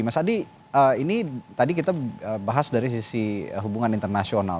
mas adi ini tadi kita bahas dari sisi hubungan internasional